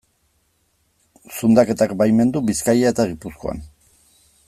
Zundaketak baimendu Bizkaia eta Gipuzkoan.